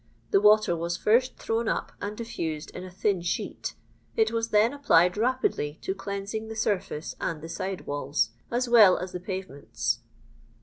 The water was first thrown up and diffused in a thin sheet, it was then applied rapidly to clean sing the surfece and the side walls, as well as the pavements."